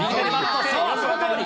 そう、そのとおり。